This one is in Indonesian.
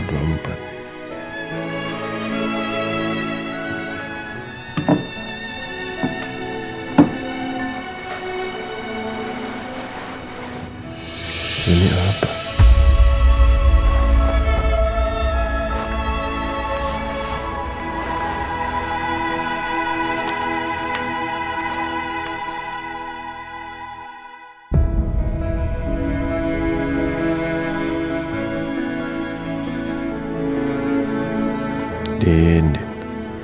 tambahkan sama kamu